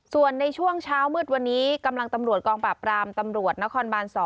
ส่วนในช่วงเช้ามืดวันนี้กำลังตำรวจกองปราบรามตำรวจนครบาน๒